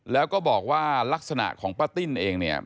แล้วก็บอกว่าลักษณะของป้าติ้นเองเนี่ย